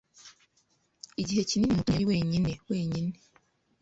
Igihe kinini Mutoni yari wenyine wenyine.